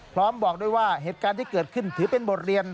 บอกด้วยว่าเหตุการณ์ที่เกิดขึ้นถือเป็นบทเรียน